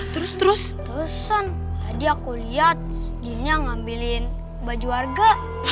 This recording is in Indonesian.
terus terusan tadi aku lihat dirinya ngambilin baju warga